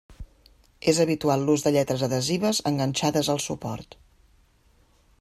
És habitual l'ús de lletres adhesives enganxades al suport.